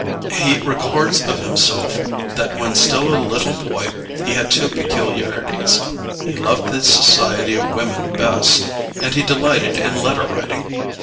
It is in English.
He records of himself that when still a little boy he had two peculiarities: he loved the society of women best, and he delighted in letter writing.